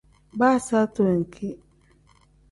Baa saati wenki.